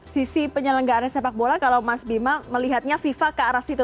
sisi penyelenggaraan sepak bola kalau mas bima melihatnya fifa ke arah situ